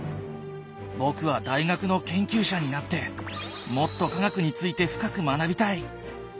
僕は大学の研究者になってもっと科学について深く学びたい！